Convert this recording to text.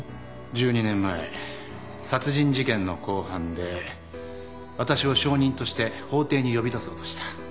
１２年前殺人事件の公判で私を証人として法廷に呼び出そうとした。